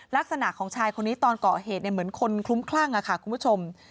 ลักษณะของชายคนนี้ตอนก่อเหตุเหมือนคนคลุ้มคลั่งค่ะคุณผู้ชม